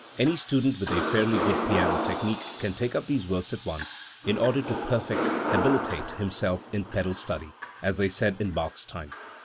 Any student with a fairly good piano technique can take up these works at once "in order to perfect [habilitate] himself in pedal study", as they said in Bach's time.